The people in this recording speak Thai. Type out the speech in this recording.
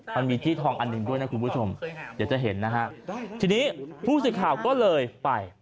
มันมีที่ทองอันหนึ่งด้วยนะคุณผู้ชมเดี๋ยวจะเห็นนะฮะทีนี้ผู้สื่อข่าวก็เลยไป